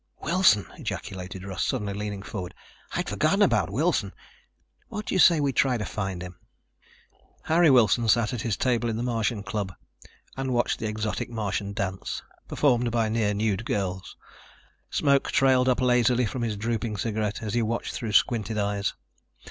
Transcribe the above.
"Wilson!" ejaculated Russ, suddenly leaning forward. "I had forgotten about Wilson. What do you say we try to find him?" Harry Wilson sat at his table in the Martian Club and watched the exotic Martian dance, performed by near nude girls. Smoke trailed up lazily from his drooping cigarette as he watched through squinted eyes.